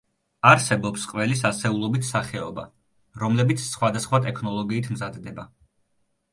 არსებობს ყველის ასეულობით სახეობა, რომლებიც სხვადასხვა ტექნოლოგიით მზადდება.